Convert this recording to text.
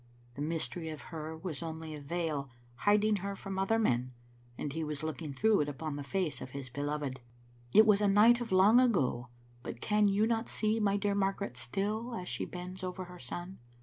The mystery of her was only a veil hiding her from other men, and he was looking through it upon the face of his beloved. It was a night of long ago, but can you not see my dear Margaret still as she bends over her son?